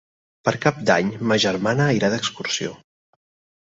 Per Cap d'Any ma germana irà d'excursió.